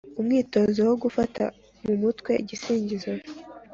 Umwitozo wo gufata mu mutwe igisingizo.